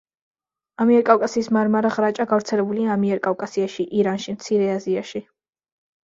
ამიერკავკასიის მარმარა ღრაჭა გავრცელებულია ამიერკავკასიაში, ირანში, მცირე აზიაში.